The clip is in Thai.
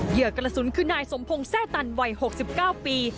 เหยื่อกรสุนคือนายสมพงษ์แซ่ตันวัยหกสิบเก้าปี